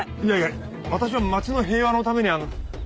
いやいや私は町の平和のためにあの。